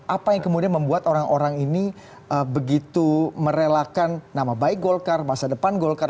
apa yang kemudian membuat orang orang ini begitu merelakan nama baik golkar masa depan golkar